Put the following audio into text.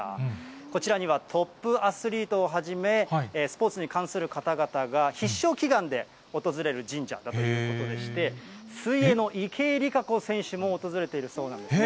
こちらにはトップアスリートをはじめ、スポーツに関する方々が必勝祈願で訪れる神社だということでして、水泳の池江璃花子選手も訪れているそうなんですね。